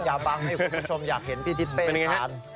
อย่าบังให้คุณผู้ชมอยากเห็นพี่จิ๊ดเป้กิน